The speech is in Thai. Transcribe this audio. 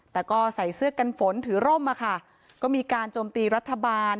แต่ก็ใส่เสื้อกันฝนถือร่มมาค่ะก็มีการโจมตีรัฐบาล